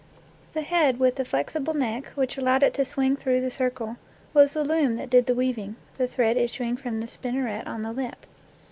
The head, with the flexible neck, which allowed it to swing through the circle, was the loom that did the weaving, the thread issuing from the spinneret on the lip.